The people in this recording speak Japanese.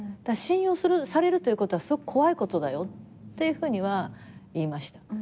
信用されるということはすごく怖いことだよというふうには言いました。